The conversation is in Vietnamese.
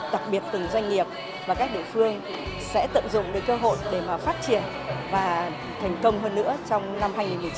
đặc biệt từng doanh nghiệp và các địa phương sẽ tận dụng được cơ hội để mà phát triển và thành công hơn nữa trong năm hai nghìn một mươi chín